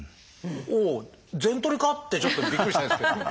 おお全取りか？ってちょっとびっくりしたんですけども。